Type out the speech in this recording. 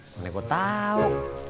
neng aku tau